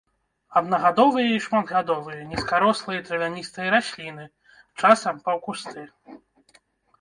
Аднагадовыя і шматгадовыя нізкарослыя травяністыя расліны, часам паўкусты.